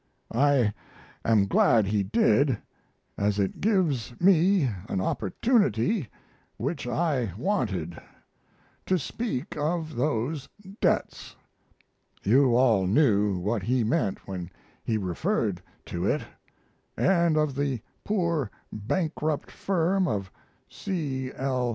I am glad he did, as it gives me an opportunity which I wanted to speak of those debts. You all knew what he meant when he referred to it, & of the poor bankrupt firm of C. L.